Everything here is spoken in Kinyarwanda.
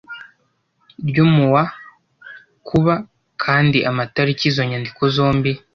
ryo mu wa Kuba kandi amatariki izo nyandiko zombi